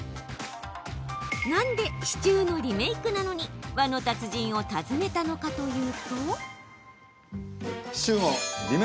なんでシチューのリメークなのに和の達人を訪ねたのかというと。